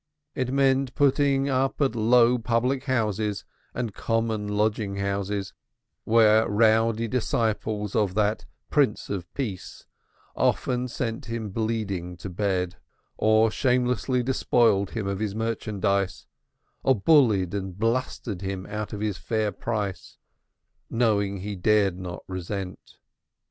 It meant putting up at low public houses and common lodging houses, where rowdy disciples of the Prince of Peace often sent him bleeding to bed, or shamelessly despoiled him of his merchandise, or bullied and blustered him out of his fair price, knowing he dared not resent.